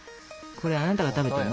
これあなたが食べてるの？